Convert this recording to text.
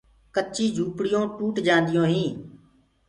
ڪچيٚ جھوُپڙيونٚ ٽوت جآنديو هينٚ۔